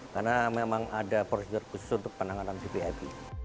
karena memang ada proses khusus untuk penanggalan cpip